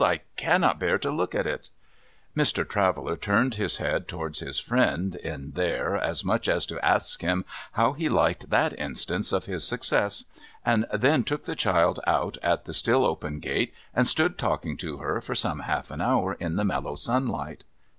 ' I cannot bear to look at it !' Mr. Traveller turned his head towards his friend in there, as much as to ask him how he liked that instance of his success, and then took the child out at the still open gate, and stood talking to her for some half an hour in the mellow sunlight.